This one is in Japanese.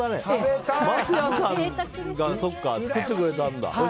桝谷さんが作ってくれたんだ。